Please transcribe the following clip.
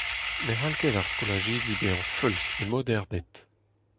Ne c'hall ket ar skolajidi bezañ feuls e mod ebet.